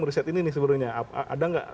mereset ini sebenarnya apa ada enggak